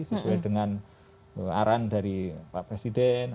sesuai dengan arahan dari pak presiden